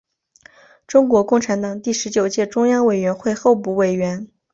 中国共产党第十九届中央委员会候补委员。